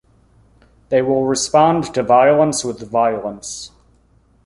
They will response to violence with violence.